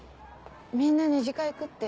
みんな２次会行くって。